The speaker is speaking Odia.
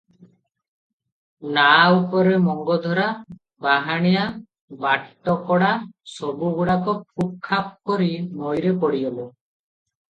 ନାଆ ଉପରେ ମଙ୍ଗଧରା, ବାହାଣିଆ, ବାଟକଢ଼ା, ସବୁଗୁଡାକ ଝୁପ୍ ଝାପ୍ କରି ନଈରେ ପଡିଗଲେ ।